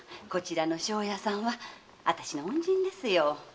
こちらの庄屋さんはあたしの恩人ですよ。